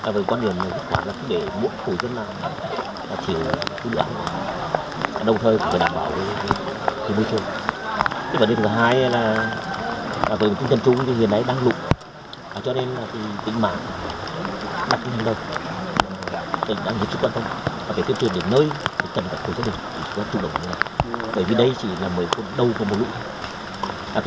vấn đề thứ hai là vì tỉnh trần trung hiện nay đang lụng cho nên tỉnh mạng đang trung thành lợi đang giữ sức quan tâm và tiêu chuẩn để nơi trần cảnh của gia đình